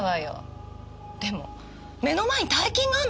でも目の前に大金があるのよ。